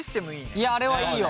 いやあれはいいよ。